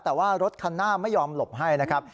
แต่ว่ารถคันหน้าไม่ยอมหลบให้นะครับ